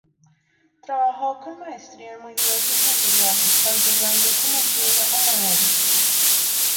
Trabajó con maestría en muy diversos materiales, tanto bronce como piedra o madera.